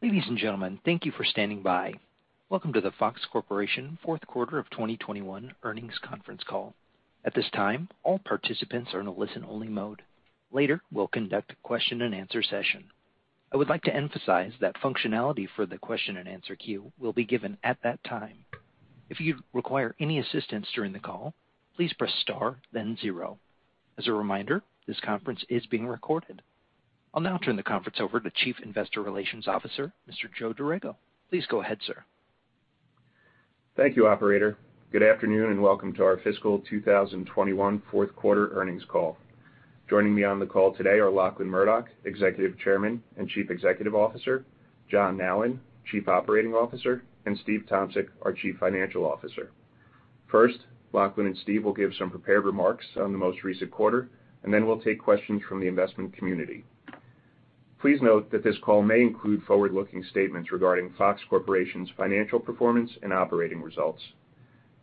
Ladies and gentlemen, thank you for standing by. Welcome to the Fox Corporation fourth quarter of 2021 earnings conference call. At this time, all participants are in a listen-only mode. Later, we'll conduct a question and answer session. I would like to emphasize that functionality for the question and answer queue will be given at that time. If you require any assistance during the call, please press star then 0. As a reminder, this conference is being recorded. I'll now turn the conference over to Chief Investor Relations Officer, Mr. Joseph Dorrego. Please go ahead, sir. Thank you, operator. Good afternoon, and welcome to our fiscal 2021 fourth quarter earnings call. Joining me on the call today are Lachlan Murdoch, Executive Chairman and Chief Executive Officer, John Nallen, Chief Operating Officer, and Steve Tomsic, our Chief Financial Officer. First, Lachlan and Steve will give some prepared remarks on the most recent quarter, and then we'll take questions from the investment community. Please note that this call may include forward-looking statements regarding Fox Corporation's financial performance and operating results.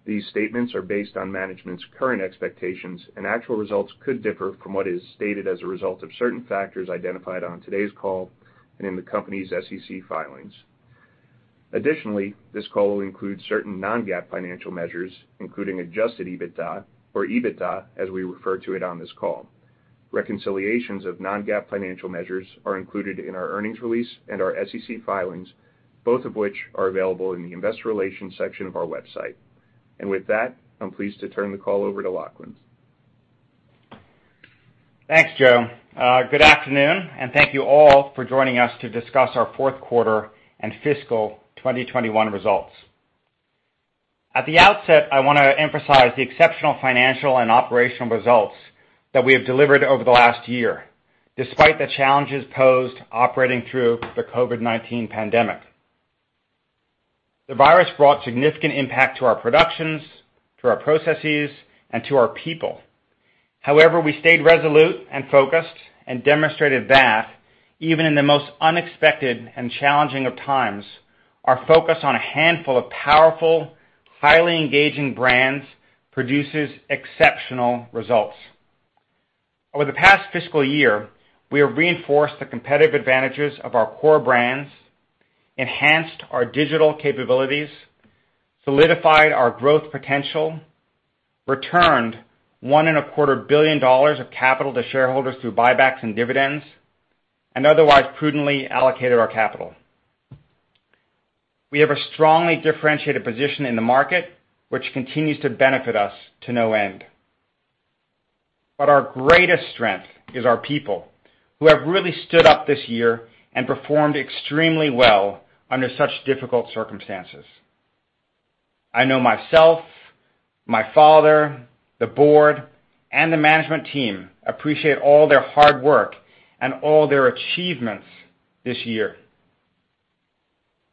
These statements are based on management's current expectations, and actual results could differ from what is stated as a result of certain factors identified on today's call and in the company's SEC filings. Additionally, this call will include certain non-GAAP financial measures, including adjusted EBITDA or EBITDA, as we refer to it on this call. Reconciliations of non-GAAP financial measures are included in our earnings release and our SEC filings, both of which are available in the investor relations section of our website. With that, I'm pleased to turn the call over to Lachlan. Thanks, Joe. Good afternoon, and thank you all for joining us to discuss our fourth quarter and fiscal 2021 results. At the outset, I want to emphasize the exceptional financial and operational results that we have delivered over the last year, despite the challenges posed operating through the COVID-19 pandemic. The virus brought significant impact to our productions, to our processes, and to our people. We stayed resolute and focused and demonstrated that even in the most unexpected and challenging of times, our focus on a handful of powerful, highly engaging brands produces exceptional results. Over the past fiscal year, we have reinforced the competitive advantages of our core brands, enhanced our digital capabilities, solidified our growth potential, returned $1.25 billion of capital to shareholders through buybacks and dividends, and otherwise prudently allocated our capital. We have a strongly differentiated position in the market, which continues to benefit us to no end. Our greatest strength is our people, who have really stood up this year and performed extremely well under such difficult circumstances. I know myself, my father, the board, and the management team appreciate all their hard work and all their achievements this year.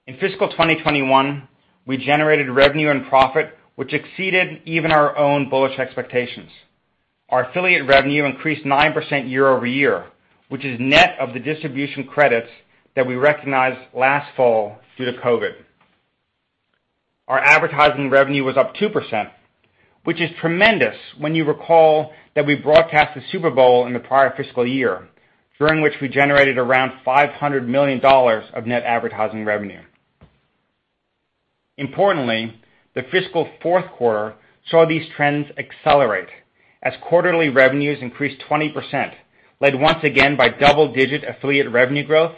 In fiscal 2021, we generated revenue and profit, which exceeded even our own bullish expectations. Our affiliate revenue increased 9% year-over-year, which is net of the distribution credits that we recognized last fall due to COVID. Our advertising revenue was up 2%, which is tremendous when you recall that we broadcast the Super Bowl in the prior fiscal year, during which we generated around $500 million of net advertising revenue. Importantly, the fiscal fourth quarter saw these trends accelerate as quarterly revenues increased 20%, led once again by double-digit affiliate revenue growth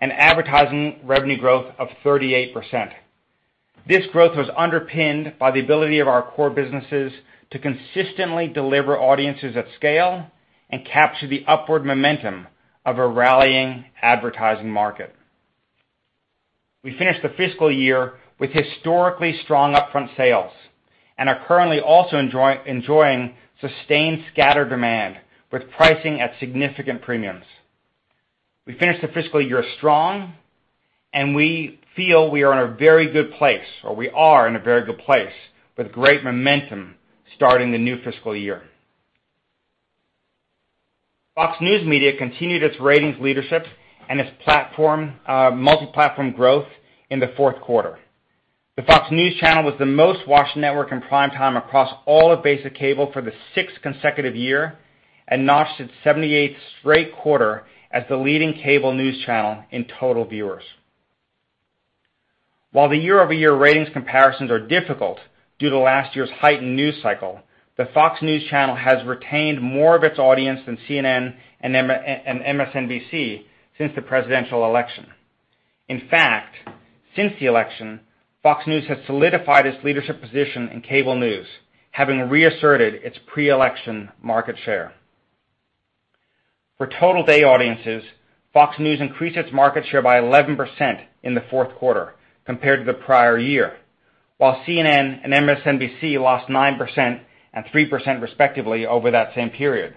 and advertising revenue growth of 38%. This growth was underpinned by the ability of our core businesses to consistently deliver audiences at scale and capture the upward momentum of a rallying advertising market. We finished the fiscal year with historically strong upfront sales and are currently also enjoying sustained scatter demand with pricing at significant premiums. We finished the fiscal year strong, and we feel we are in a very good place, or we are in a very good place with great momentum starting the new fiscal year. Fox News Media continued its ratings leadership and its multi-platform growth in the fourth quarter. The Fox News Channel was the most-watched network in prime time across all of basic cable for the sixth consecutive year and notched its 78th straight quarter as the leading cable news channel in total viewers. While the year-over-year ratings comparisons are difficult due to last year's heightened news cycle, the Fox News Channel has retained more of its audience than CNN and MSNBC since the presidential election. In fact, since the election, Fox News has solidified its leadership position in cable news, having reasserted its pre-election market share. For total day audiences, Fox News increased its market share by 11% in the fourth quarter compared to the prior year, while CNN and MSNBC lost 9% and 3%, respectively, over that same period.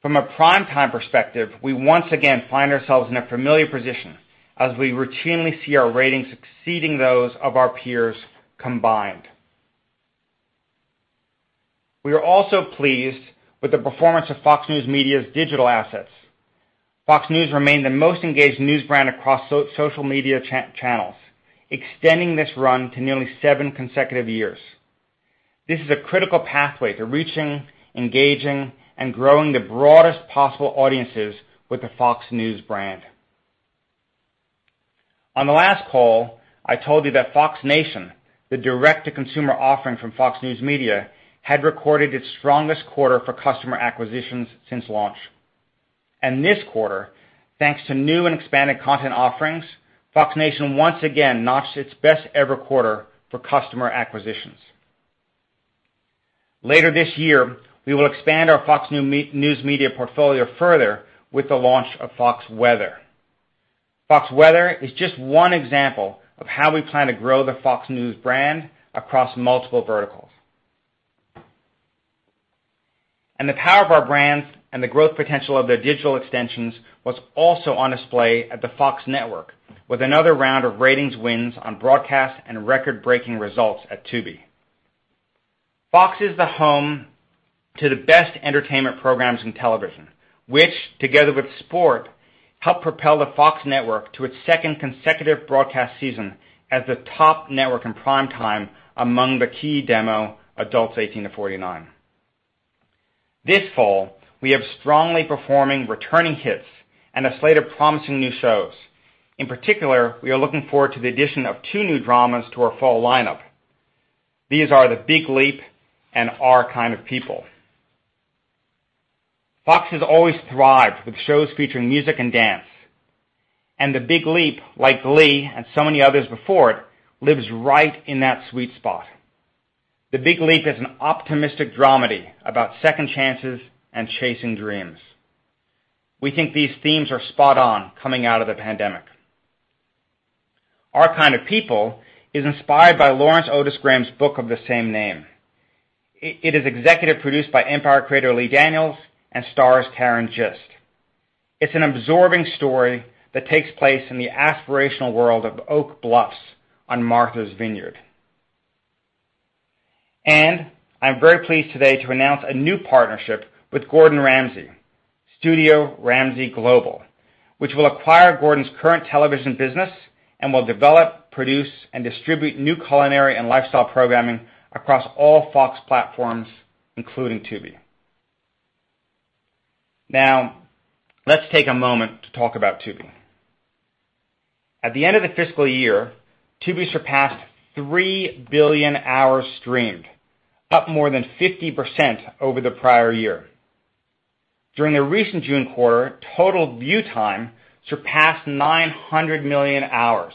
From a prime time perspective, we once again find ourselves in a familiar position as we routinely see our ratings exceeding those of our peers combined. We are also pleased with the performance of Fox News Media's digital assets. Fox News remained the most engaged news brand across social media channels, extending this run to nearly seven consecutive years. This is a critical pathway to reaching, engaging, and growing the broadest possible audiences with the Fox News brand. On the last call, I told you that Fox Nation, the direct-to-consumer offering from Fox News Media, had recorded its strongest quarter for customer acquisitions since launch. This quarter, thanks to new and expanded content offerings, Fox Nation once again notched its best-ever quarter for customer acquisitions. Later this year, we will expand our Fox News Media portfolio further with the launch of Fox Weather. Fox Weather is just one example of how we plan to grow the Fox News brand across multiple verticals. The power of our brands and the growth potential of their digital extensions was also on display at the Fox network, with another round of ratings wins on broadcast and record-breaking results at Tubi. Fox is the home to the best entertainment programs in television, which, together with sport, help propel the Fox network to its second consecutive broadcast season as the top network in prime time among the key demo, adults 18-49. This fall, we have strongly performing, returning hits and a slate of promising new shows. In particular, we are looking forward to the addition of two new dramas to our fall lineup. These are "The Big Leap" and "Our Kind of People." Fox has always thrived with shows featuring music and dance, and "The Big Leap," like "Glee" and so many others before it, lives right in that sweet spot. The Big Leap" is an optimistic dramedy about second chances and chasing dreams. We think these themes are spot on coming out of the pandemic. "Our Kind of People" is inspired by Lawrence Otis Graham's book of the same name. It is executive produced by "Empire" creator Lee Daniels and stars Yaya DaCosta. It's an absorbing story that takes place in the aspirational world of Oak Bluffs on Martha's Vineyard. I'm very pleased today to announce a new partnership with Gordon Ramsay, Studio Ramsay Global, which will acquire Gordon's current television business and will develop, produce, and distribute new culinary and lifestyle programming across all Fox platforms, including Tubi. Let's take a moment to talk about Tubi. At the end of the fiscal year, Tubi surpassed 3 billion hours streamed, up more than 50% over the prior year. During the recent June quarter, total view time surpassed 900 million hours,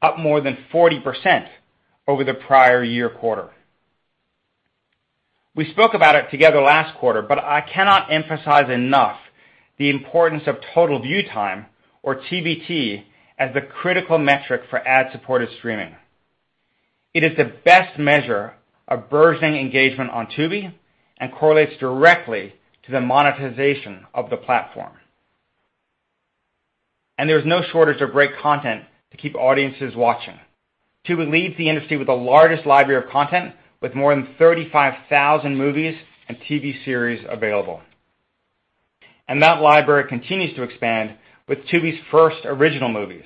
up more than 40% over the prior year quarter. We spoke about it together last quarter, I cannot emphasize enough the importance of total view time, or TVT, as the critical metric for ad-supported streaming. It is the best measure of burgeoning engagement on Tubi and correlates directly to the monetization of the platform. There's no shortage of great content to keep audiences watching. Tubi leads the industry with the largest library of content, with more than 35,000 movies and TV series available. That library continues to expand with Tubi's first original movies.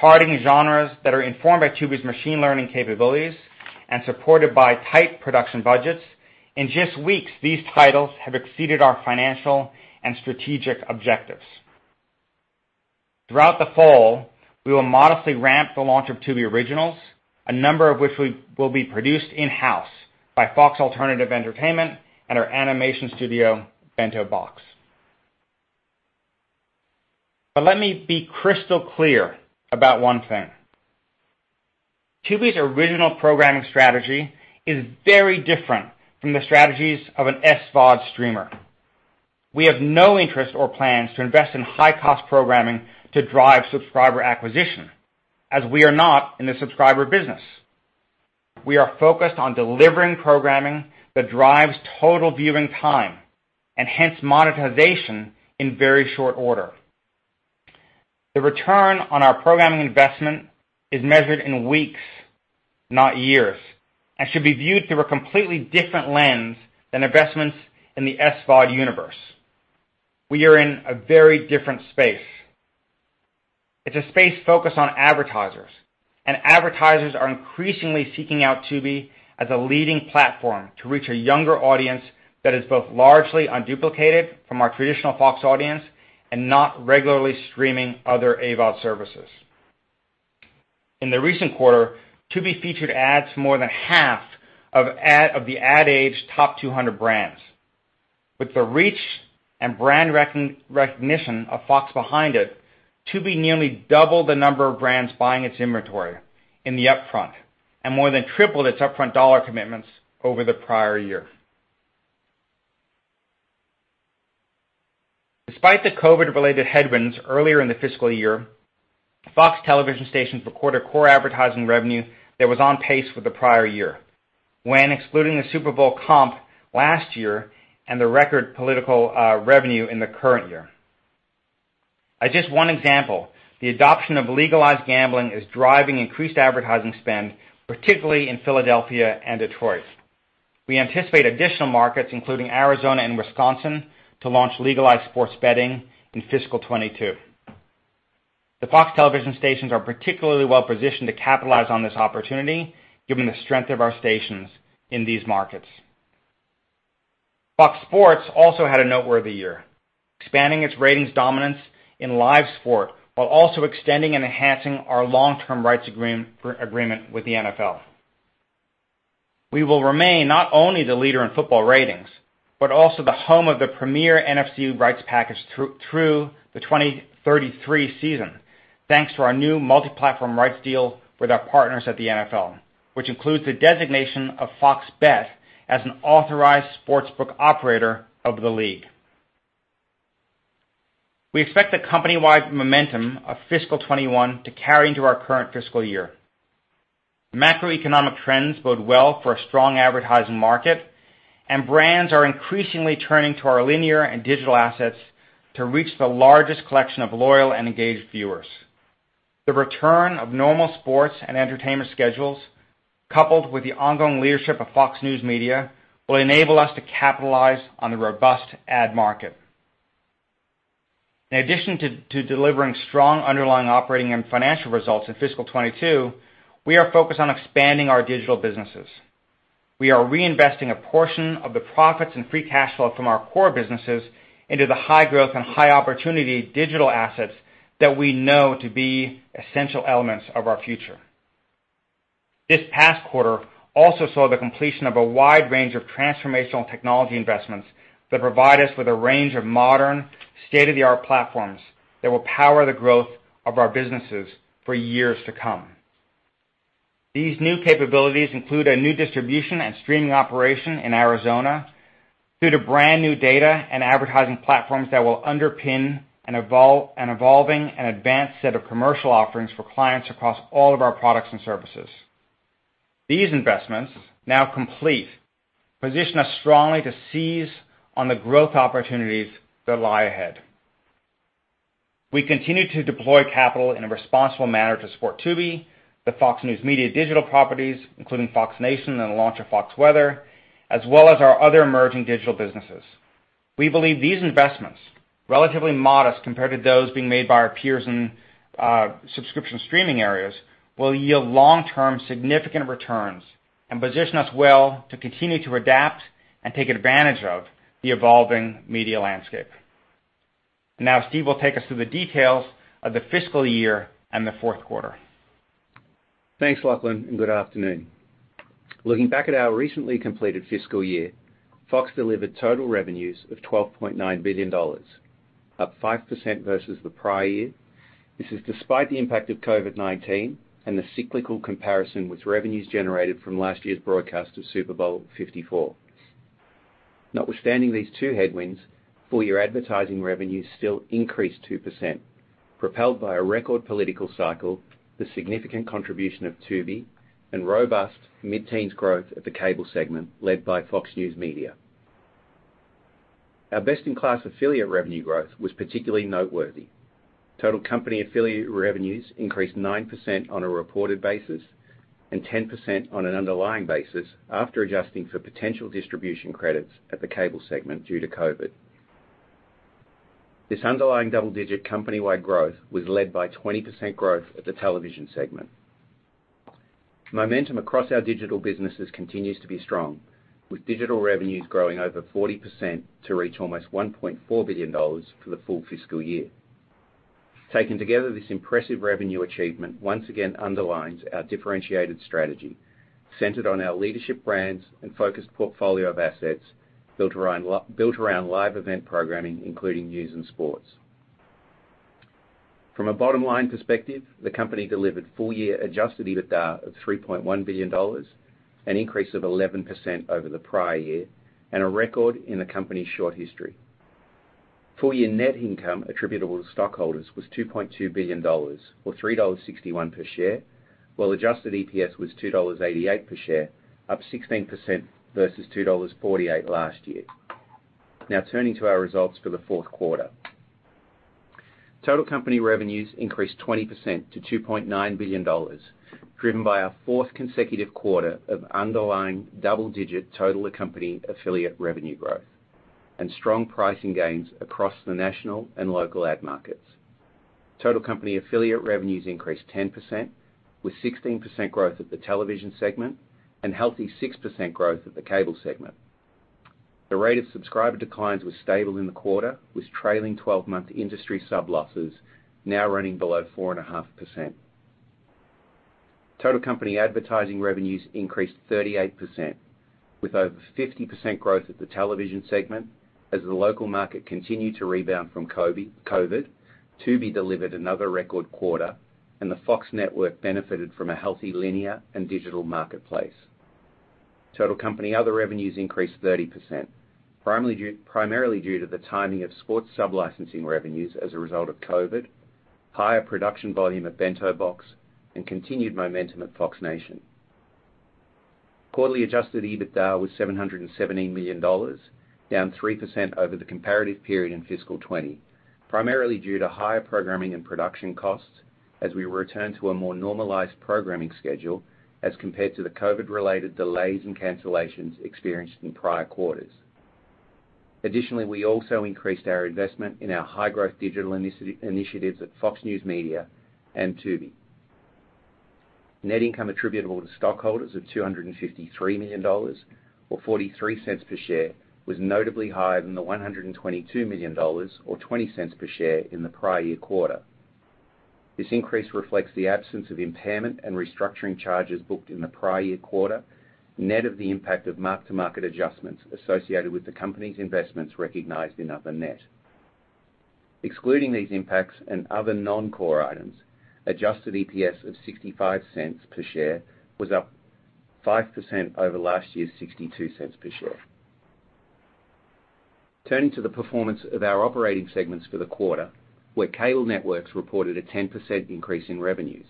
Targeting genres that are informed by Tubi's machine learning capabilities and supported by tight production budgets, in just weeks, these titles have exceeded our financial and strategic objectives. Throughout the fall, we will modestly ramp the launch of Tubi Originals, a number of which will be produced in-house by Fox Alternative Entertainment and our animation studio, Bento Box. Let me be crystal clear about one thing. Tubi's original programming strategy is very different from the strategies of an SVOD streamer. We have no interest or plans to invest in high-cost programming to drive subscriber acquisition, as we are not in the subscriber business. We are focused on delivering programming that drives total viewing time, and hence monetization, in very short order. The return on our programming investment is measured in weeks, not years, and should be viewed through a completely different lens than investments in the SVOD universe. We are in a very different space. It's a space focused on advertisers, and advertisers are increasingly seeking out Tubi as a leading platform to reach a younger audience that is both largely unduplicated from our traditional Fox audience and not regularly streaming other AVOD services. In the recent quarter, Tubi featured ads more than half of the Ad Age top 200 brands. With the reach and brand recognition of Fox behind it, Tubi nearly doubled the number of brands buying its inventory in the upfront and more than tripled its upfront dollar commitments over the prior year. Despite the COVID-related headwinds earlier in the fiscal year, Fox television stations recorded core advertising revenue that was on pace with the prior year, when excluding the Super Bowl comp last year and the record political revenue in the current year. As just one example, the adoption of legalized gambling is driving increased advertising spend, particularly in Philadelphia and Detroit. We anticipate additional markets, including Arizona and Wisconsin, to launch legalized sports betting in fiscal 2022. The Fox television stations are particularly well-positioned to capitalize on this opportunity given the strength of our stations in these markets. Fox Sports also had a noteworthy year, expanding its ratings dominance in live sport while also extending and enhancing our long-term rights agreement with the NFL. We will remain not only the leader in football ratings, but also the home of the premier NFC rights package through the 2033 season, thanks to our new multi-platform rights deal with our partners at the NFL, which includes the designation of FOX Bet as an authorized sports book operator of the league. We expect the company-wide momentum of fiscal 2021 to carry into our current fiscal year. Macroeconomic trends bode well for a strong advertising market, and brands are increasingly turning to our linear and digital assets to reach the largest collection of loyal and engaged viewers. The return of normal sports and entertainment schedules, coupled with the ongoing leadership of Fox News Media, will enable us to capitalize on the robust ad market. In addition to delivering strong underlying operating and financial results in fiscal 2022, we are focused on expanding our digital businesses. We are reinvesting a portion of the profits and free cash flow from our core businesses into the high-growth and high-opportunity digital assets that we know to be essential elements of our future. This past quarter also saw the completion of a wide range of transformational technology investments that provide us with a range of modern, state-of-the-art platforms that will power the growth of our businesses for years to come. These new capabilities include a new distribution and streaming operation in Arizona through to brand-new data and advertising platforms that will underpin an evolving and advanced set of commercial offerings for clients across all of our products and services. These investments, now complete, position us strongly to seize on the growth opportunities that lie ahead. We continue to deploy capital in a responsible manner to support Tubi, the Fox News Media digital properties, including Fox Nation and the launch of Fox Weather, as well as our other emerging digital businesses. We believe these investments, relatively modest compared to those being made by our peers in subscription streaming areas, will yield long-term significant returns and position us well to continue to adapt and take advantage of the evolving media landscape. Now Steve will take us through the details of the fiscal year and the fourth quarter. Thanks, Lachlan, and good afternoon. Looking back at our recently completed fiscal year, Fox delivered total revenues of $12.9 billion, up 5% versus the prior year. This is despite the impact of COVID-19 and the cyclical comparison with revenues generated from last year's broadcast of Super Bowl LIV. Notwithstanding these two headwinds, full-year advertising revenues still increased 2%, propelled by a record political cycle, the significant contribution of Tubi, and robust mid-teens growth at the cable segment led by Fox News Media. Our best-in-class affiliate revenue growth was particularly noteworthy. Total company affiliate revenues increased 9% on a reported basis and 10% on an underlying basis after adjusting for potential distribution credits at the cable segment due to COVID. This underlying double-digit company-wide growth was led by 20% growth at the television segment. Momentum across our digital businesses continues to be strong, with digital revenues growing over 40% to reach almost $1.4 billion for the full fiscal year. Taken together, this impressive revenue achievement once again underlines our differentiated strategy, centered on our leadership brands and focused portfolio of assets built around live event programming, including news and sports. From a bottom-line perspective, the company delivered full-year Adjusted EBITDA of $3.1 billion, an increase of 11% over the prior year, and a record in the company's short history. Full-year net income attributable to stockholders was $2.2 billion or $3.61 per share, while Adjusted EPS was $2.88 per share, up 16% versus $2.48 last year. Now turning to our results for the fourth quarter. Total company revenues increased 20% to $2.9 billion, driven by our fourth consecutive quarter of underlying double-digit total company affiliate revenue growth and strong pricing gains across the national and local ad markets. Total company affiliate revenues increased 10%, with 16% growth at the television segment and healthy 6% growth at the cable segment. The rate of subscriber declines was stable in the quarter, with trailing 12-month industry sub losses now running below 4.5%. Total company advertising revenues increased 38%, with over 50% growth at the television segment as the local market continued to rebound from COVID. Tubi delivered another record quarter, and the Fox network benefited from a healthy linear and digital marketplace. Total company other revenues increased 30%, primarily due to the timing of sports sub-licensing revenues as a result of COVID, higher production volume at Bento Box, and continued momentum at Fox Nation. Quarterly Adjusted EBITDA was $717 million, down 3% over the comparative period in fiscal 2020, primarily due to higher programming and production costs as we return to a more normalized programming schedule as compared to the COVID-related delays and cancellations experienced in prior quarters. We also increased our investment in our high-growth digital initiatives at Fox News Media and Tubi. Net income attributable to stockholders of $253 million, or $0.43 per share, was notably higher than the $122 million, or $0.20 per share in the prior year quarter. This increase reflects the absence of impairment and restructuring charges booked in the prior year quarter, net of the impact of mark-to-market adjustments associated with the company's investments recognized in other net. Excluding these impacts and other non-core items, Adjusted EPS of $0.65 per share was up 5% over last year's $0.62 per share. Turning to the performance of our operating segments for the quarter, Cable Networks reported a 10% increase in revenues.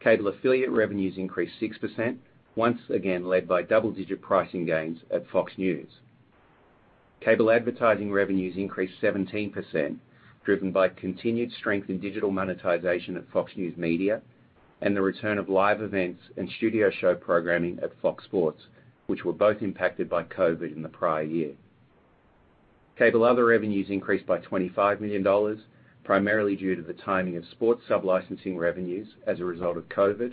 Cable affiliate revenues increased 6%, once again led by double-digit pricing gains at Fox News. Cable advertising revenues increased 17%, driven by continued strength in digital monetization at Fox News Media, and the return of live events and studio show programming at Fox Sports, which were both impacted by COVID in the prior year. Cable other revenues increased by $25 million, primarily due to the timing of sports sublicensing revenues as a result of COVID,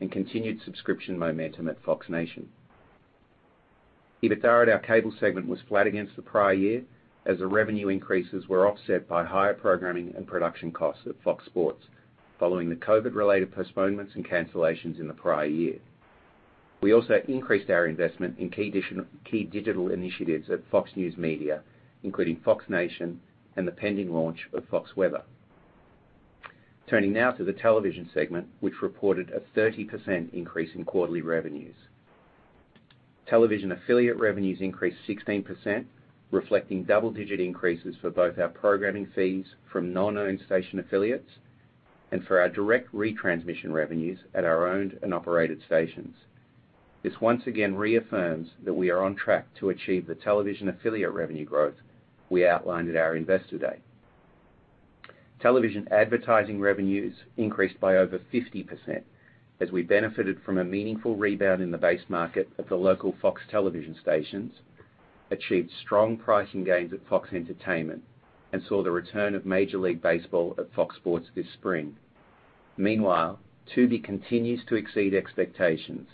and continued subscription momentum at Fox Nation. EBITDA at our Cable segment was flat against the prior year, as the revenue increases were offset by higher programming and production costs at Fox Sports following the COVID-related postponements and cancellations in the prior year. We also increased our investment in key digital initiatives at Fox News Media, including Fox Nation and the pending launch of Fox Weather. Turning now to the Television segment, which reported a 30% increase in quarterly revenues. Television affiliate revenues increased 16%, reflecting double-digit increases for both our programming fees from non-owned station affiliates and for our direct retransmission revenues at our owned and operated stations. This once again reaffirms that we are on track to achieve the television affiliate revenue growth we outlined at our Investor Day. Television advertising revenues increased by over 50%, as we benefited from a meaningful rebound in the base market at the local Fox television stations, achieved strong pricing gains at Fox Entertainment, and saw the return of Major League Baseball at Fox Sports this spring. Meanwhile, Tubi continues to exceed expectations,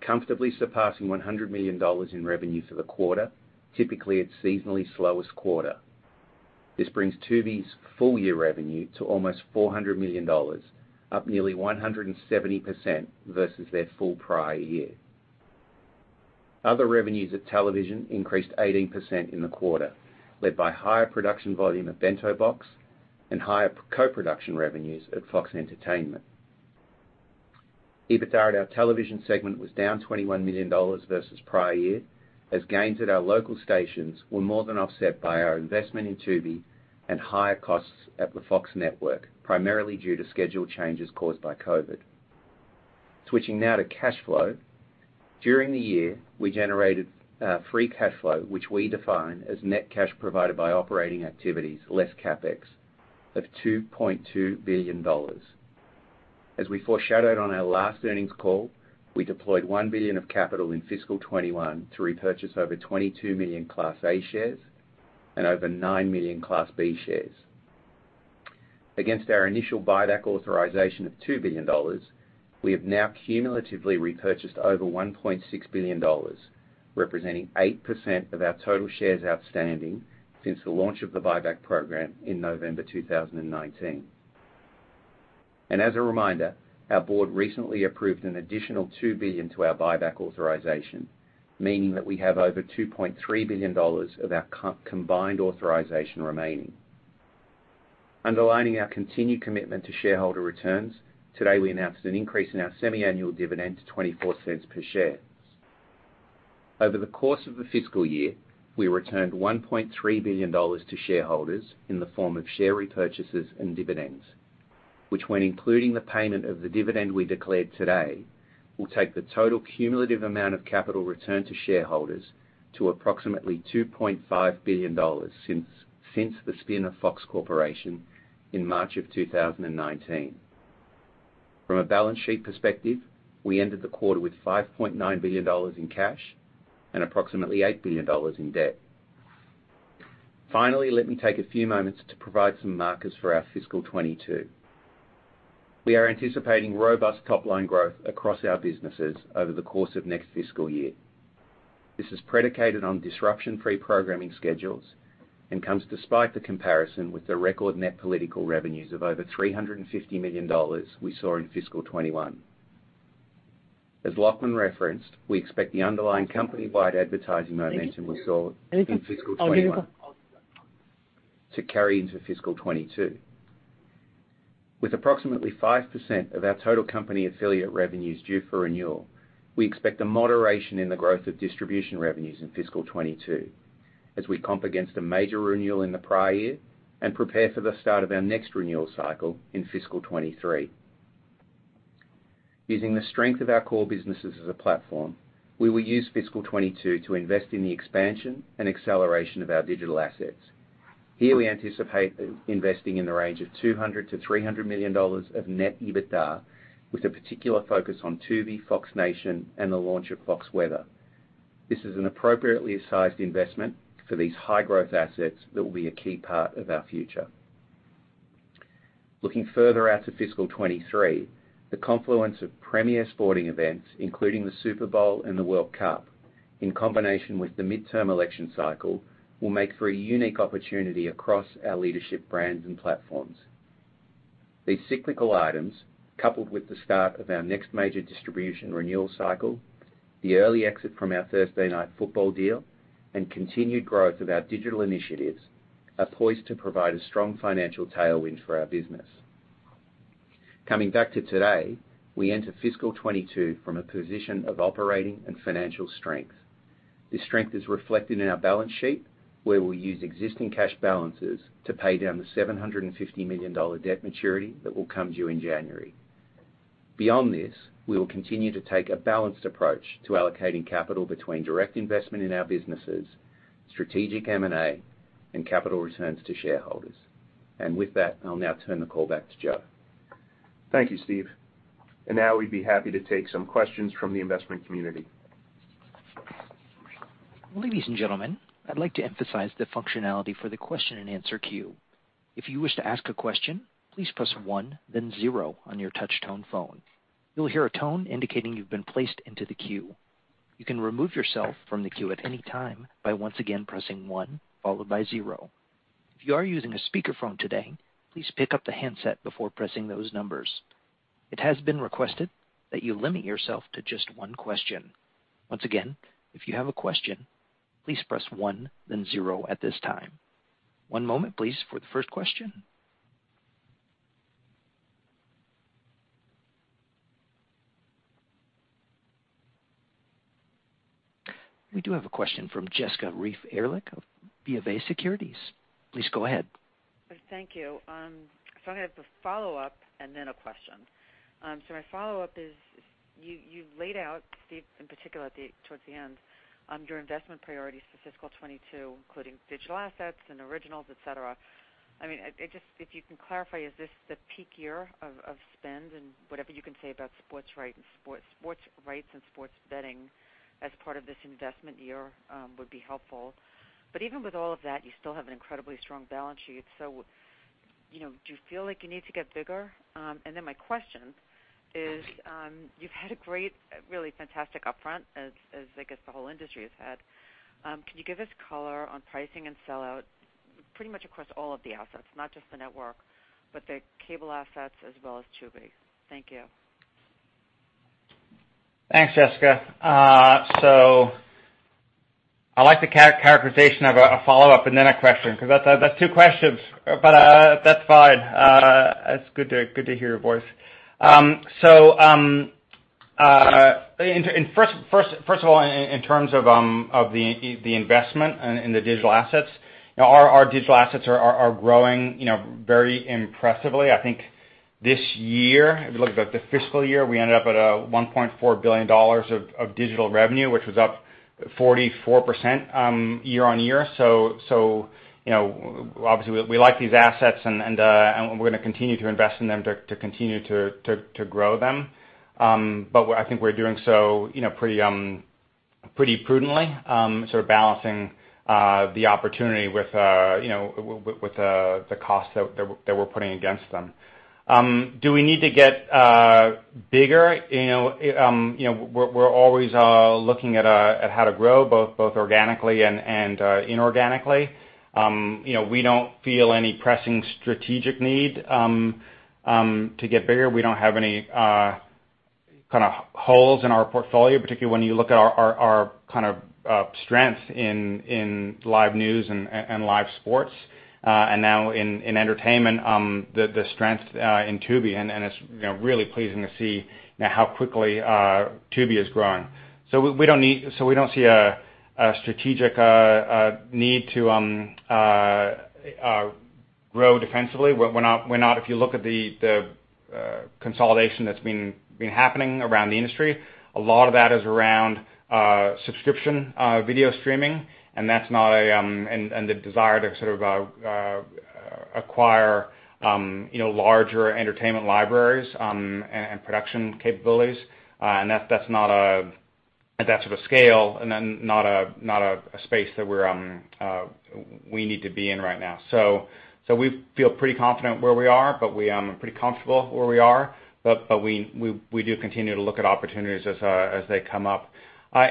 comfortably surpassing $100 million in revenue for the quarter, typically its seasonally slowest quarter. This brings Tubi's full-year revenue to almost $400 million, up nearly 170% versus their full prior year. Other revenues at Television increased 18% in the quarter, led by higher production volume at Bento Box and higher co-production revenues at Fox Entertainment. EBITDA at our Television segment was down $21 million versus prior year, as gains at our local stations were more than offset by our investment in Tubi and higher costs at the Fox network, primarily due to schedule changes caused by COVID. Switching now to cash flow. During the year, we generated free cash flow, which we define as net cash provided by operating activities, less CapEx, of $2.2 billion. As we foreshadowed on our last earnings call, we deployed $1 billion of capital in fiscal 2021 to repurchase over 22 million Class A shares and over 9 million Class B shares. Against our initial buyback authorization of $2 billion, we have now cumulatively repurchased over $1.6 billion, representing 8% of our total shares outstanding since the launch of the buyback program in November 2019. As a reminder, our board recently approved an additional $2 billion to our buyback authorization, meaning that we have over $2.3 billion of our combined authorization remaining. Underlining our continued commitment to shareholder returns, today we announced an increase in our semi-annual dividend to $0.24 per share. Over the course of the fiscal year, we returned $1.3 billion to shareholders in the form of share repurchases and dividends, which when including the payment of the dividend we declared today, will take the total cumulative amount of capital returned to shareholders to approximately $2.5 billion since the spin of Fox Corporation in March of 2019. From a balance sheet perspective, we ended the quarter with $5.9 billion in cash and approximately $8 billion in debt. Finally, let me take a few moments to provide some markers for our fiscal 2022. We are anticipating robust top-line growth across our businesses over the course of next fiscal year. This is predicated on disruption-free programming schedules and comes despite the comparison with the record net political revenues of over $350 million we saw in fiscal 2021. As Lachlan referenced, we expect the underlying company-wide advertising momentum we saw in fiscal 2021 to carry into fiscal 2022. With approximately 5% of our total company affiliate revenues due for renewal, we expect a moderation in the growth of distribution revenues in fiscal 2022 as we comp against a major renewal in the prior year and prepare for the start of our next renewal cycle in fiscal 2023. Using the strength of our core businesses as a platform, we will use fiscal 2022 to invest in the expansion and acceleration of our digital assets. Here we anticipate investing in the range of $200 million-$300 million of net EBITDA, with a particular focus on Tubi, Fox Nation, and the launch of Fox Weather. This is an appropriately sized investment for these high-growth assets that will be a key part of our future. Looking further out to fiscal 2023, the confluence of premier sporting events, including the Super Bowl and the World Cup, in combination with the midterm election cycle, will make for a unique opportunity across our leadership brands and platforms. These cyclical items, coupled with the start of our next major distribution renewal cycle, the early exit from our Thursday Night Football deal, and continued growth of our digital initiatives, are poised to provide a strong financial tailwind for our business. Coming back to today, we enter fiscal 2022 from a position of operating and financial strength. This strength is reflected in our balance sheet, where we'll use existing cash balances to pay down the $750 million debt maturity that will come due in January. Beyond this, we will continue to take a balanced approach to allocating capital between direct investment in our businesses, strategic M&A, and capital returns to shareholders. With that, I'll now turn the call back to Joe. Thank you, Steve. Now we'd be happy to take some questions from the investment community. Ladies and gentlemen, I'd like to emphasize the functionality for the question and answer queue. If you wish to ask a question, please press 1 then 0 on your touchtone phone. You'll hear a tone indicating you've been placed into the queue. You can remove yourself from the queue at any time by once again pressing 1 followed by 0. If you are using a speakerphone today, please pick up the handset before pressing those numbers. It has been requested that you limit yourself to just one question. Once again, if you have a question, please press 1 then 0 at this time. One moment please for the first question. We do have a question from Jessica Reif Ehrlich via BofA Securities. Please go ahead. I have a follow-up and then a question. My follow-up is you laid out, Steve, in particular towards the end, your investment priorities for fiscal 2022, including digital assets and originals, et cetera. If you can clarify, is this the peak year of spend? Whatever you can say about sports rights and sports betting as part of this investment year would be helpful. Even with all of that, you still have an incredibly strong balance sheet. Do you feel like you need to get bigger? My question is, you've had a great, really fantastic upfront as I guess the whole industry has had. Can you give us color on pricing and sellout pretty much across all of the assets, not just the network, but the cable assets as well as Tubi? Thank you. Thanks, Jessica. I like the characterization of a follow-up and then a question, because that's 2 questions. That's fine. It's good to hear your voice. First of all, in terms of the investment in the digital assets, our digital assets are growing very impressively. I think this year, if you look at the fiscal year, we ended up at a $1.4 billion of digital revenue, which was up 44% year-over-year. Obviously, we like these assets and we're going to continue to invest in them to continue to grow them. I think we're doing so pretty prudently, sort of balancing the opportunity with the cost that we're putting against them. Do we need to get bigger? We're always looking at how to grow, both organically and inorganically. We don't feel any pressing strategic need to get bigger. We don't have any kind of holes in our portfolio, particularly when you look at our strength in live news and live sports. Now in entertainment, the strength in Tubi, and it's really pleasing to see now how quickly Tubi has grown. We don't see a strategic need to grow defensively. If you look at the consolidation that's been happening around the industry, a lot of that is around subscription video streaming, and the desire to sort of acquire larger entertainment libraries and production capabilities. That's of a scale and then not a space that we need to be in right now. We feel pretty confident where we are, but we are pretty comfortable where we are, we do continue to look at opportunities as they come up.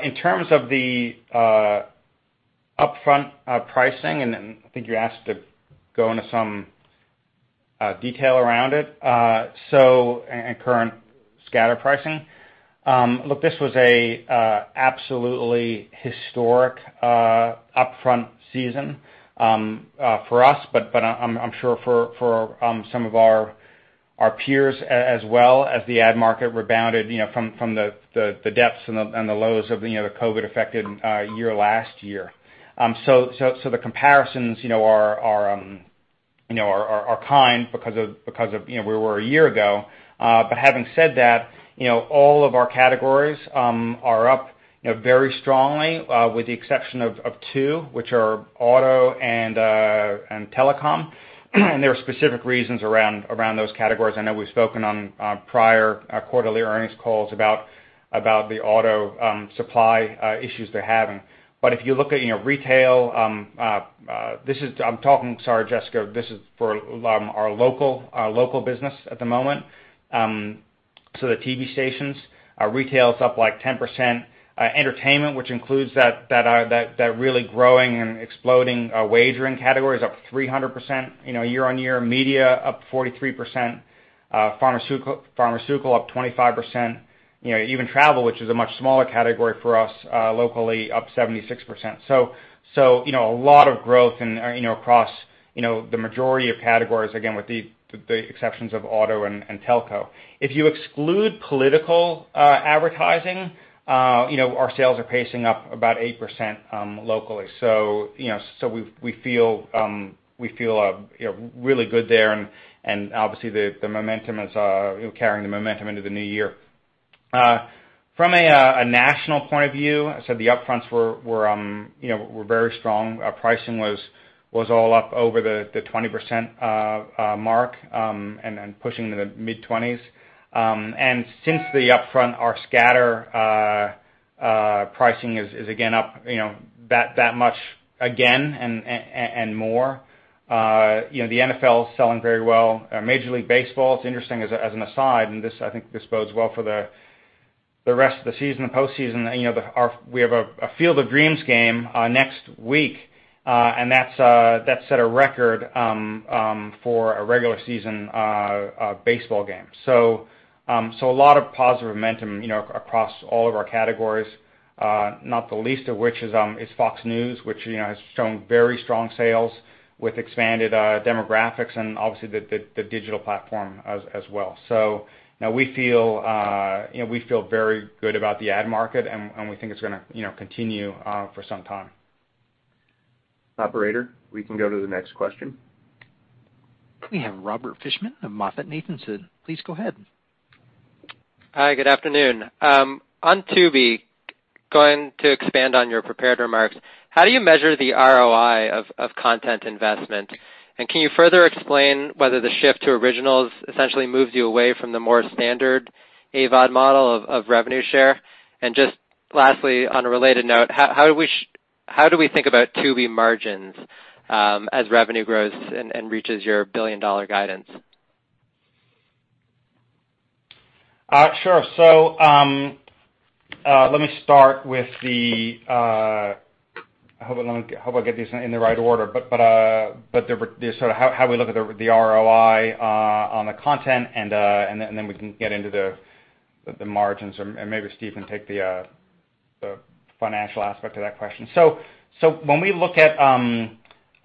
In terms of the upfront pricing, I think you asked to go into some detail around it, and current scatter pricing. This was a absolutely historic upfront season for us, but I'm sure for some of our peers as well as the ad market rebounded from the depths and the lows of the COVID-affected year last year. The comparisons are kind because of where we were a year ago. Having said that, all of our categories are up very strongly with the exception of 2, which are auto and telecom. There are specific reasons around those categories. I know we've spoken on prior quarterly earnings calls about the auto supply issues they're having. If you look at retail, I'm talking, sorry, Jessica, this is for our local business at the moment. The TV stations, our retail is up like 10%. Entertainment, which includes that really growing and exploding wagering category, is up 300% year-on-year. Media up 43%, pharmaceutical up 25%. Even travel, which is a much smaller category for us locally, up 76%. A lot of growth across the majority of categories, again, with the exceptions of auto and telco. If you exclude political advertising, our sales are pacing up about 8% locally. We feel really good there and obviously the momentum is carrying the momentum into the new year. From a national point of view, I said the upfronts were very strong. Pricing was all up over the 20% mark, and pushing into the mid-20s. Since the upfront, our scatter pricing is again up that much again and more. The NFL is selling very well. Major League Baseball, it's interesting as an aside, and I think this bodes well for the rest of the season, the postseason, we have a Field of Dreams game next week, and that set a record for a regular season baseball game. A lot of positive momentum across all of our categories, not the least of which is Fox News, which has shown very strong sales with expanded demographics and obviously the digital platform as well. We feel very good about the ad market, and we think it's going to continue for some time. Operator, we can go to the next question. We have Robert Fishman of MoffettNathanson. Please go ahead. Hi, good afternoon. On Tubi, going to expand on your prepared remarks, how do you measure the ROI of content investment? Can you further explain whether the shift to originals essentially moves you away from the more standard AVOD model of revenue share? Just lastly, on a related note, how do we think about Tubi margins as revenue grows and reaches your billion-dollar guidance? Sure. Let me start with the I hope I get these in the right order, but how we look at the ROI on the content and then we can get into the margins, and maybe Steve can take the financial aspect of that question. When we look at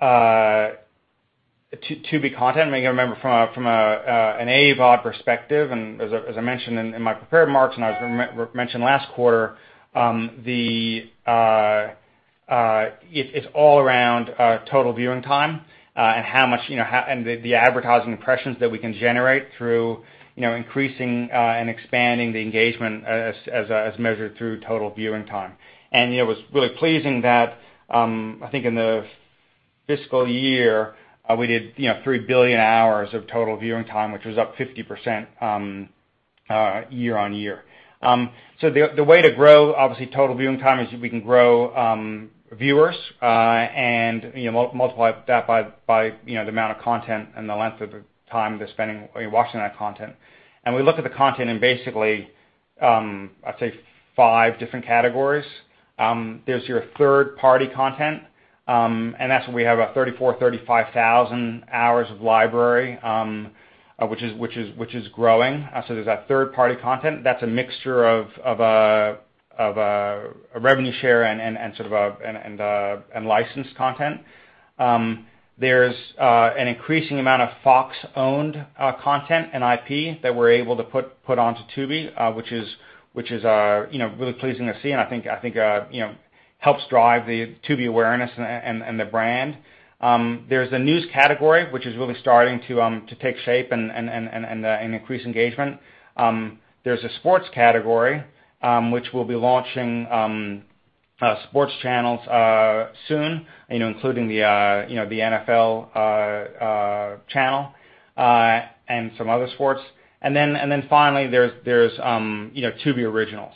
Tubi content, you got to remember from an AVOD perspective, and as I mentioned in my prepared remarks, and as I mentioned last quarter, it's all around total viewing time, and the advertising impressions that we can generate through increasing and expanding the engagement as measured through total viewing time. It was really pleasing that, I think in the fiscal year, we did 3 billion hours of total viewing time, which was up 50% year-on-year. The way to grow, obviously, total viewing time is we can grow viewers, and multiply that by the amount of content and the length of time they're spending watching that content. We look at the content in basically, I'd say five different categories. There's your third-party content, and that's when we have about 34,000, 35,000 hours of library, which is growing. There's that third-party content. That's a mixture of a revenue share and licensed content. There's an increasing amount of Fox-owned content and IP that we're able to put onto Tubi, which is really pleasing to see and I think helps drive the Tubi awareness and the brand. There's the news category, which is really starting to take shape and increase engagement. There's a sports category, which we'll be launching sports channels soon including the NFL channel and some other sports. Finally, there's Tubi Originals.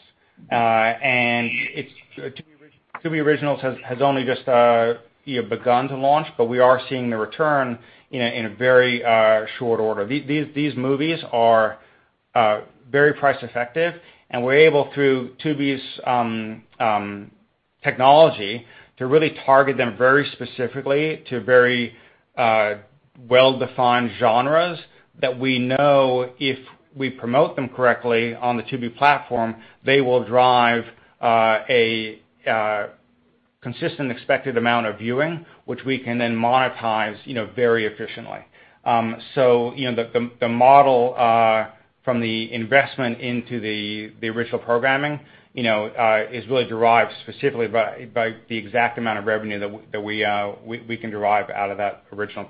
Tubi Originals has only just begun to launch, but we are seeing the return in a very short order. These movies are very price effective, and we're able, through Tubi's technology, to really target them very specifically to very well-defined genres that we know if we promote them correctly on the Tubi platform, they will drive a consistent expected amount of viewing, which we can then monetize very efficiently. The model from the investment into the original programming is really derived specifically by the exact amount of revenue that we can derive out of that original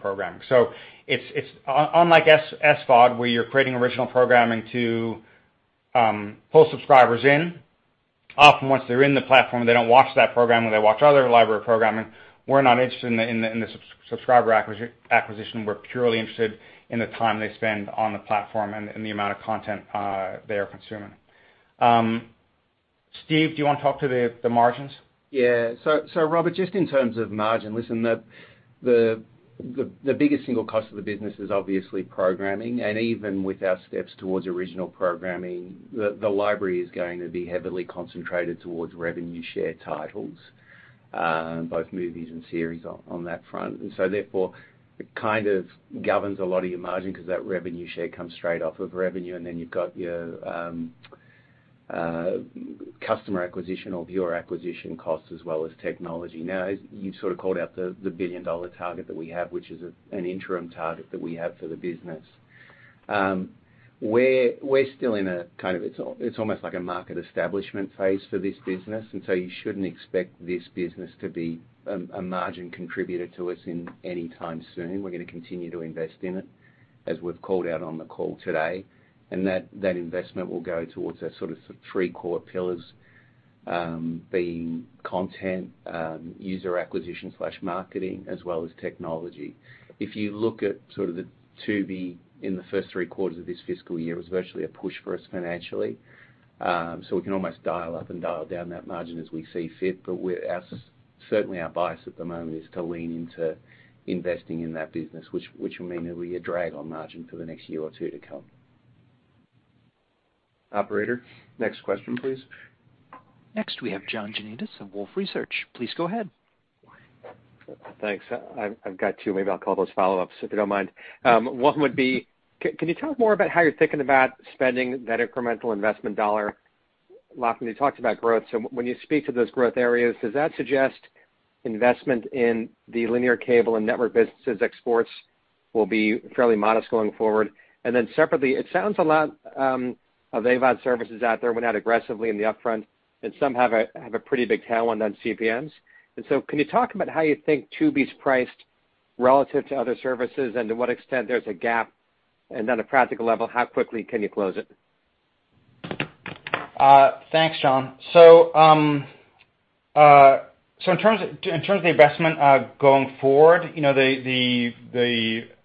programming. Unlike SVOD, where you're creating original programming to pull subscribers in, often once they're in the platform, they don't watch that programming, they watch other library programming. We're not interested in the subscriber acquisition. We're purely interested in the time they spend on the platform and the amount of content they are consuming. Steve, do you want to talk to the margins? Robert, just in terms of margin, listen, the biggest single cost of the business is obviously programming. Even with our steps towards original programming, the library is going to be heavily concentrated towards revenue share titles, both movies and series on that front. Therefore, it kind of governs a lot of your margin because that revenue share comes straight off of revenue, and then you've got your customer acquisition or viewer acquisition costs as well as technology. You sort of called out the billion-dollar target that we have, which is an interim target that we have for the business. It's almost like a market establishment phase for this business. You shouldn't expect this business to be a margin contributor to us any time soon. We're going to continue to invest in it, as we've called out on the call today. That investment will go towards our sort of three core pillars, being content, user acquisition/marketing, as well as technology. If you look at sort of the Tubi in the first three quarters of this fiscal year, it was virtually a push for us financially. We can almost dial up and dial down that margin as we see fit. Certainly our bias at the moment is to lean into investing in that business, which will mean it'll be a drag on margin for the next year or two to come. Operator, next question, please. Next, we have John Janedis of Wolfe Research. Please go ahead. Thanks. I've got two. Maybe I'll call those follow-ups, if you don't mind. One would be, can you tell me more about how you're thinking about spending that incremental investment dollar? Lachlan, you talked about growth, so when you speak to those growth areas, does that suggest investment in the linear cable and network businesses ex-sports will be fairly modest going forward? Separately, it sounds a lot of AVOD services out there went out aggressively in the upfront, and some have a pretty big tailwind on CPMs. Can you talk about how you think Tubi's priced relative to other services and to what extent there's a gap? On a practical level, how quickly can you close it? Thanks, John. In terms of the investment going forward, as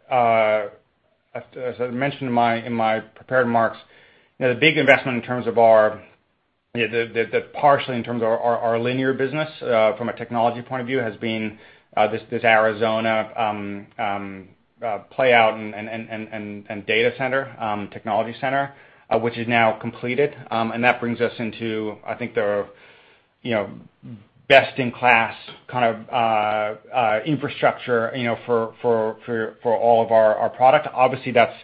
I mentioned in my prepared remarks, the big investment partially in terms of our linear business from a technology point of view, has been this Arizona playout and data center, technology center, which is now completed. That brings us into, I think, the best-in-class infrastructure for all of our product. Obviously, that's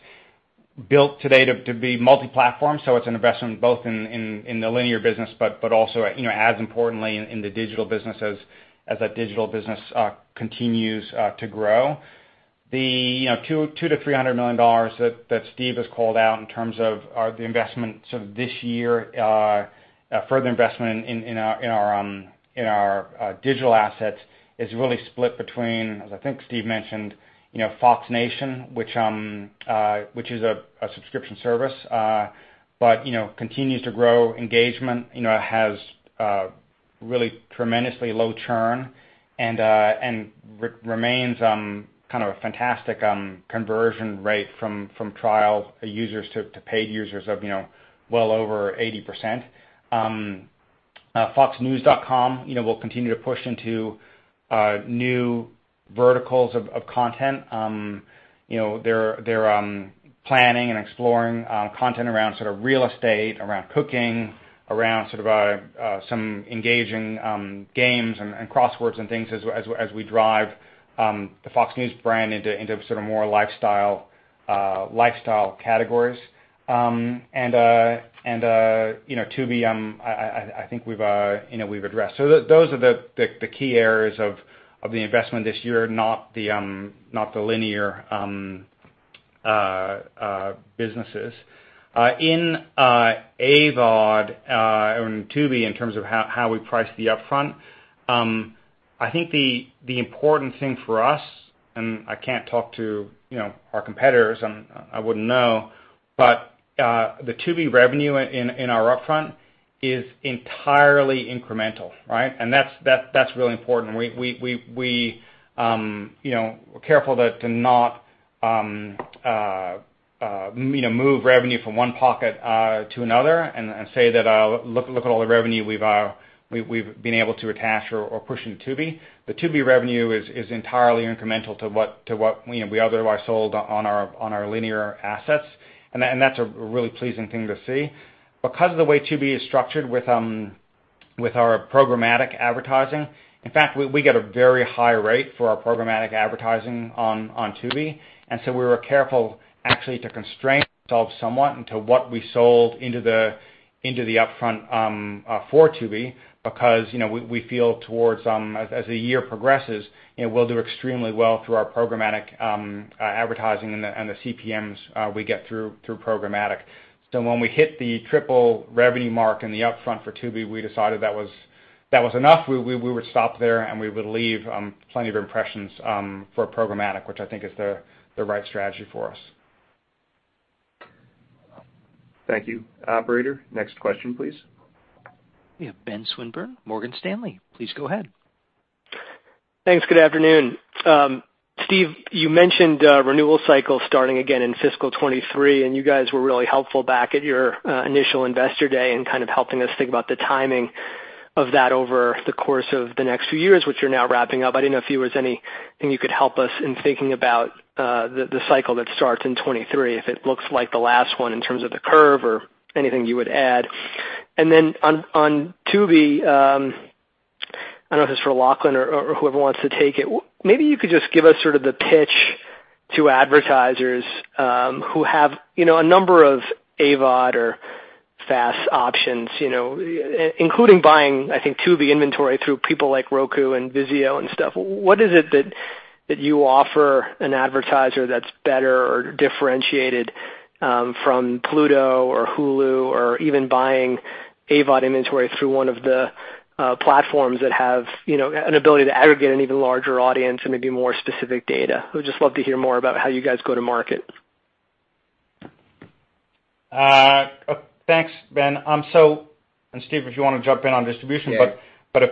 built today to be multi-platform, so it's an investment both in the linear business, but also as importantly in the digital business as that digital business continues to grow. The $200 million-$300 million that Steve has called out in terms of the investments of this year, further investment in our digital assets, is really split between, as I think Steve mentioned, Fox Nation, which is a subscription service. Continues to grow engagement, has really tremendously low churn, and remains kind of a fantastic conversion rate from trial users to paid users of well over 80%. foxNews.com will continue to push into new verticals of content. They're planning and exploring content around sort of real estate, around cooking, around some engaging games and crosswords and things as we drive the Fox News brand into sort of more lifestyle categories. Tubi, I think we've addressed. Those are the key areas of the investment this year, not the linear businesses. In AVOD and Tubi, in terms of how we price the upfront, I think the important thing for us, and I can't talk to our competitors, I wouldn't know, but the Tubi revenue in our upfront is entirely incremental, right? That's really important. We're careful to not move revenue from one pocket to another and say that look at all the revenue we've been able to attach or push into Tubi. The Tubi revenue is entirely incremental to what we otherwise sold on our linear assets. That's a really pleasing thing to see. Because of the way Tubi is structured with our programmatic advertising. In fact, we get a very high rate for our programmatic advertising on Tubi. We were careful actually to constrain ourselves somewhat into what we sold into the upfront for Tubi, because we feel as the year progresses, we'll do extremely well through our programmatic advertising and the CPMs we get through programmatic. When we hit the triple revenue mark in the upfront for Tubi, we decided that was enough. We would stop there, and we would leave plenty of impressions for programmatic, which I think is the right strategy for us. Thank you. Operator, next question, please. We have Benjamin Swinburne, Morgan Stanley. Please go ahead. Thanks. Good afternoon. Steve, you mentioned renewal cycles starting again in fiscal 2023, and you guys were really helpful back at your initial Investor Day in kind of helping us think about the timing of that over the course of the next few years, which you're now wrapping up. I didn't know if there was anything you could help us in thinking about the cycle that starts in 2023. If it looks like the last one in terms of the curve or anything you would add. Then on Tubi, I don't know if it's for Lachlan or whoever wants to take it. Maybe you could just give us sort of the pitch to advertisers who have a number of AVOD or FAST options, including buying, I think, Tubi inventory through people like Roku and VIZIO and stuff. What is it that you offer an advertiser that's better or differentiated from Pluto or Hulu or even buying AVOD inventory through one of the platforms that have an ability to aggregate an even larger audience and maybe more specific data? I would just love to hear more about how you guys go to market. Thanks, Ben. Steve, if you want to jump in on distribution. Yeah.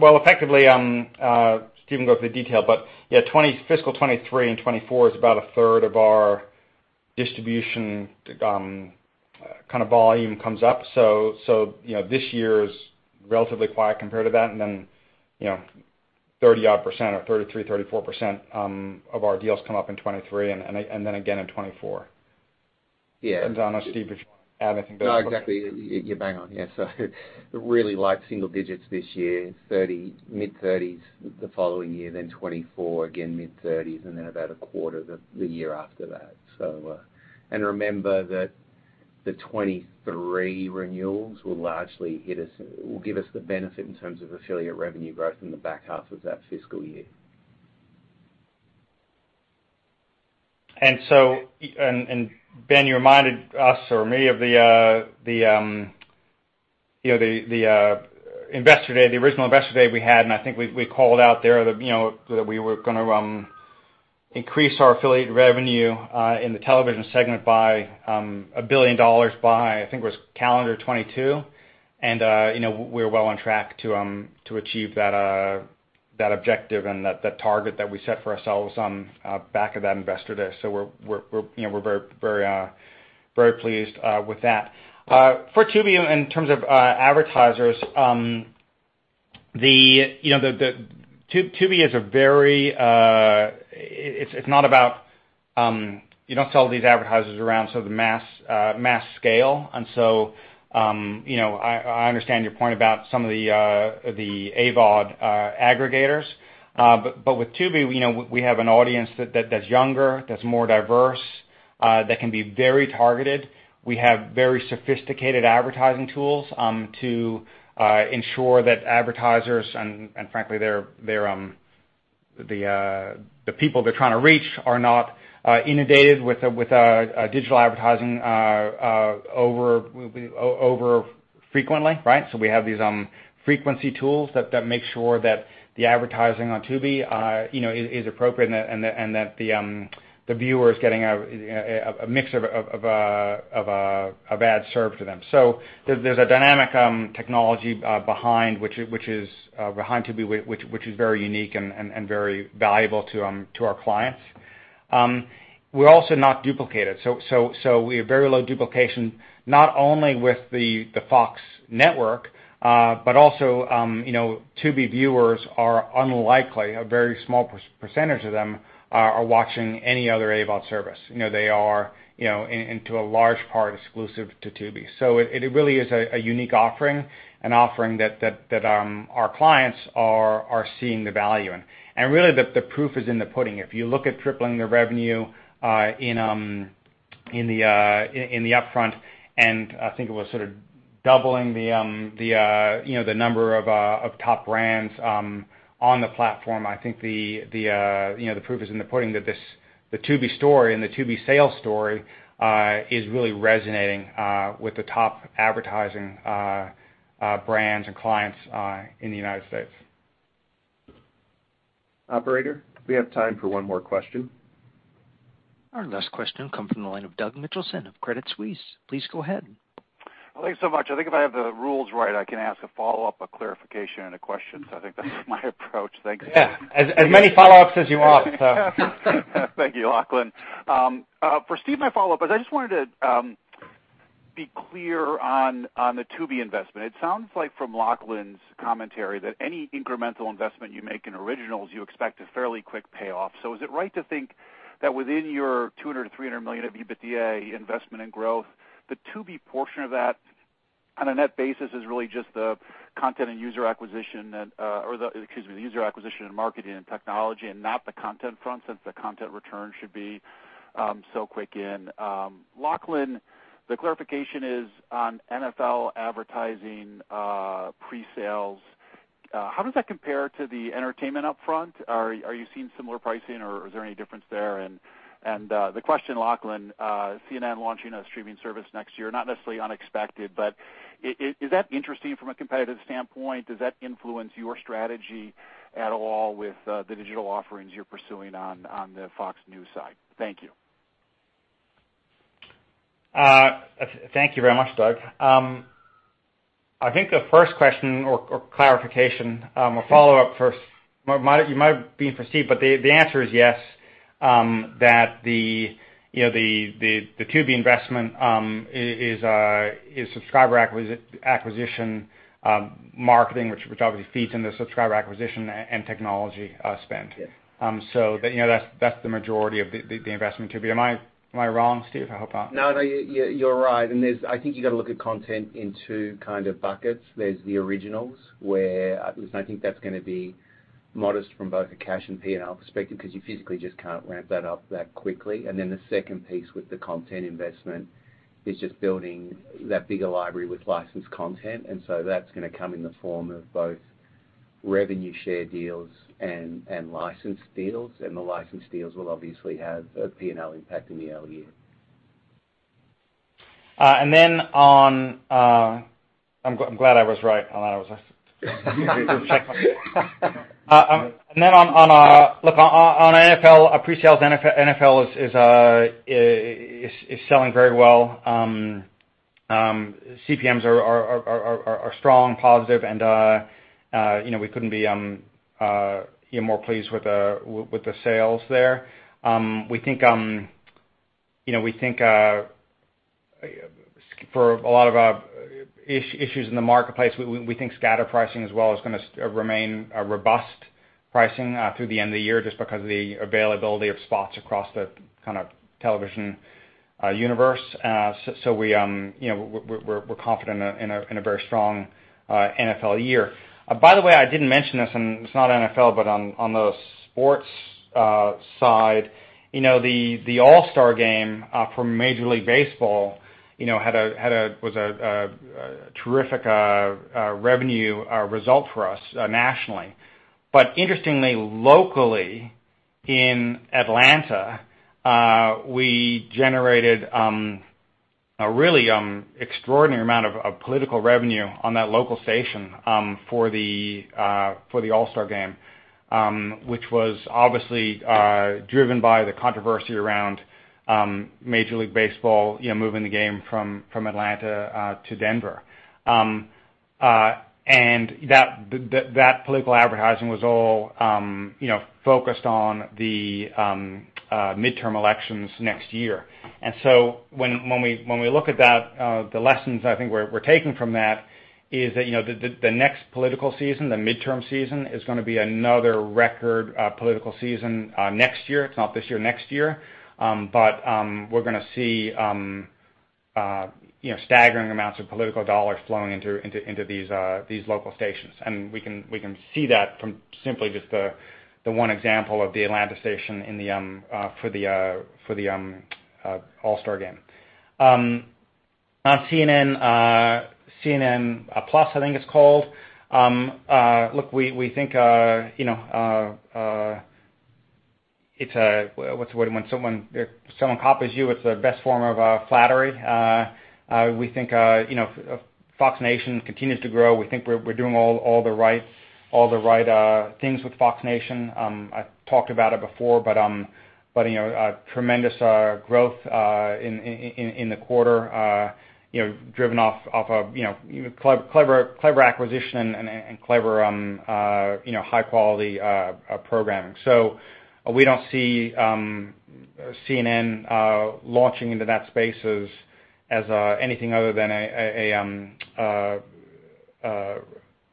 Well, effectively, Steve go through the detail, fiscal 2023 and 2024 is about a third of our distribution volume comes up. This year is relatively quiet compared to that. 30-odd% or 33%, 34% of our deals come up in 2023 and then again in 2024. Yeah. I don't know, Steve, if you want to add anything there. No, exactly. You're bang on. Really light single digits this year, mid-30s the following year, then 2024, again mid-30s, and then about a quarter the year after that. Remember that the 2023 renewals will give us the benefit in terms of affiliate revenue growth in the back half of that fiscal year. Ben, you reminded us or me of the original Investor Day we had, I think we called out there that we were going to increase our affiliate revenue in the television segment by $1 billion by, I think it was calendar 2022. We're well on track to achieve that objective and that target that we set for ourselves on back of that Investor Day. We're very pleased with that. For Tubi, in terms of advertisers, you don't sell these advertisers around sort of mass scale, I understand your point about some of the AVOD aggregators. With Tubi, we have an audience that's younger, that's more diverse, that can be very targeted. We have very sophisticated advertising tools to ensure that advertisers and frankly, the people they're trying to reach are not inundated with digital advertising over frequently. Right? We have these frequency tools that make sure that the advertising on Tubi is appropriate and that the viewer is getting a mix of ads served to them. There's a dynamic technology behind Tubi, which is very unique and very valuable to our clients. We're also not duplicated. We have very low duplication, not only with the Fox network, but also Tubi viewers are unlikely, a very small percentage of them, are watching any other AVOD service. They are into a large part exclusive to Tubi. It really is a unique offering, an offering that our clients are seeing the value in. Really, the proof is in the pudding. If you look at tripling the revenue in the upfront, and I think it was sort of doubling the number of top brands on the platform, I think the proof is in the pudding that the Tubi story and the Tubi sales story is really resonating with the top advertising brands and clients in the U.S. Operator, we have time for one more question. Our last question will come from the line of Doug Mitchelson of Credit Suisse. Please go ahead. Thanks so much. I think if I have the rules right, I can ask a follow-up, a clarification, and a question. I think that's my approach. Thanks. Yeah. As many follow-ups as you want. Thank you, Lachlan. For Steve, my follow-up is, I just wanted to be clear on the Tubi investment. It sounds like from Lachlan's commentary that any incremental investment you make in originals, you expect a fairly quick payoff. Is it right to think that within your $200 million-$300 million of EBITDA investment in growth, the Tubi portion of that on a net basis is really just the content and user acquisition, or the user acquisition and marketing and technology, and not the content front since the content return should be so quick in. Lachlan, the clarification is on NFL advertising pre-sales. How does that compare to the entertainment upfront? Are you seeing similar pricing, or is there any difference there? The question, Lachlan, CNN launching a streaming service next year, not necessarily unexpected, but is that interesting from a competitive standpoint? Does that influence your strategy at all with the digital offerings you're pursuing on the Fox News side? Thank you. Thank you very much, Doug. I think the first question or clarification, or follow-up first. You might be able to see it, but the answer is yes, that the Tubi investment is subscriber acquisition, marketing, which obviously feeds into the subscriber acquisition and technology spend. Yes. That's the majority of the investment. Am I wrong, Steve? I hope not. No, you're right. I think you've got to look at content in 2 kind of buckets. There's the originals, where at least I think that's going to be modest from both a cash and P&L perspective, because you physically just can't ramp that up that quickly. The second piece with the content investment is just building that bigger library with licensed content. That's going to come in the form of both revenue share deals and license deals. The license deals will obviously have a P&L impact in the early years. I'm glad I was right on that one. NFL, pre-sales NFL is selling very well. CPMs are strong, positive, and we couldn't be more pleased with the sales there. We think for a lot of issues in the marketplace, we think scatter pricing as well is going to remain a robust pricing through the end of the year, just because of the availability of spots across the television universe. We're confident in a very strong NFL year. By the way, I didn't mention this, and it's not NFL, but on the sports side, the All-Star Game for Major League Baseball had a terrific revenue result for us nationally. Interestingly, locally in Atlanta, we generated a really extraordinary amount of political revenue on that local station for the All-Star Game, which was obviously driven by the controversy around Major League Baseball moving the game from Atlanta to Denver. That political advertising was all focused on the midterm elections next year. When we look at that, the lessons I think we're taking from that is that the next political season, the midterm season, is going to be another record political season next year. It's not this year, next year. We're going to see staggering amounts of political dollars flowing into these local stations. We can see that from simply just the one example of the Atlanta station for the All-Star Game. On CNN+, I think it's called. Look, we think, what's the word, when someone copies you, it's the best form of flattery. We think Fox Nation continues to grow. We think we're doing all the right things with Fox Nation. I've talked about it before, but tremendous growth in the quarter, driven off of clever acquisition and clever high-quality programming. We don't see CNN launching into that space as anything other than an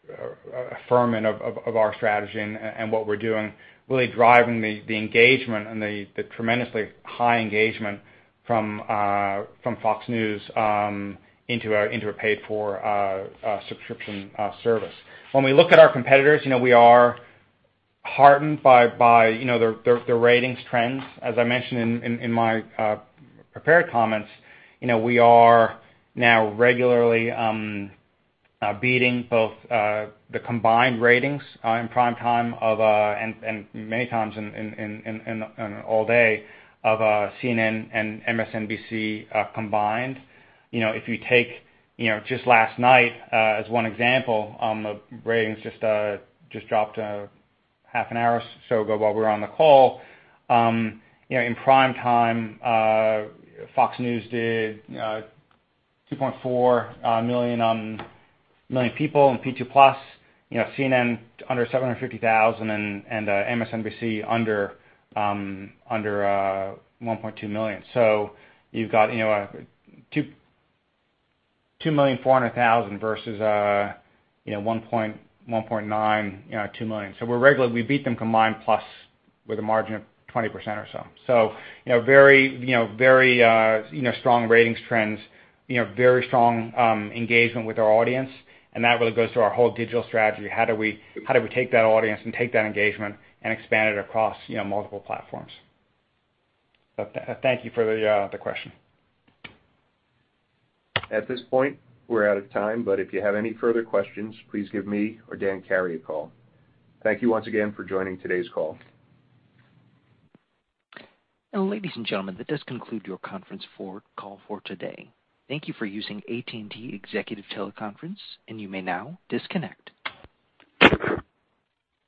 affirmant of our strategy and what we're doing, really driving the engagement and the tremendously high engagement from Fox News into a paid-for subscription service. When we look at our competitors, we are heartened by their ratings trends. As I mentioned in my prepared comments, we are now regularly beating both the combined ratings in prime time of, and many times in all day, of CNN and MSNBC combined. If you take just last night as one example, the ratings just dropped half an hour or so ago while we were on the call. In prime time, Fox News did 2.4 million people in P2+. CNN, under 750,000, and MSNBC under 1.2 million. You've got 2,400,000 versus 1.9, 2 million. We regularly beat them combined plus with a margin of 20% or so. Very strong ratings trends, very strong engagement with our audience, and that really goes to our whole digital strategy. How do we take that audience and take that engagement and expand it across multiple platforms? Thank you for the question. At this point, we're out of time, but if you have any further questions, please give me or Dan Carey a call. Thank you once again for joining today's call. And ladies and gentlemen, that does conclude your conference call for today. Thank you for using AT&T TeleConference Services, and you may now disconnect.